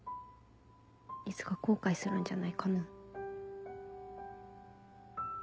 いつか後悔するんじゃないかな。